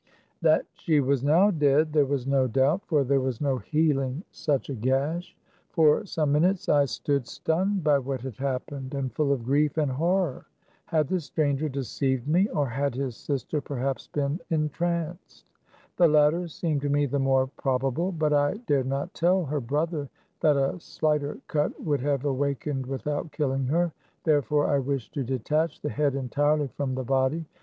That she was now dead there was no doubt; for there was no healing such a gash. For some minutes I stood, stunned by what had happened, and full of grief and horror. Had the stranger deceived me, or had his sister perhaps been en tranced ? The latter seemed to me the more prob able. But I dared not tell her brother that a slighter cut would have awakened without killing her ; therefore, I wished to detach the head entirely from the body.